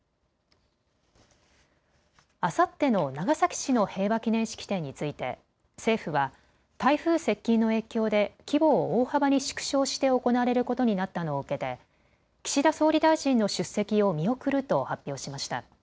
あさっての長崎市の平和祈念式典について政府は台風接近の影響で規模を大幅に縮小して行われることになったのを受けて岸田総理大臣の出席を見送ると発表しました。